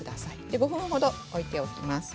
５分ほど置いておきます。